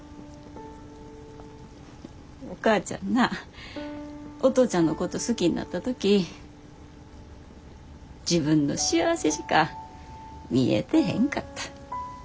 お母ちゃんなお父ちゃんのこと好きになった時自分の幸せしか見えてへんかった。